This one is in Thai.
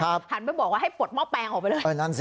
ครับหันไปบอกว่าให้ปลดหม้อแปลงออกไปเลยเออนั่นสิ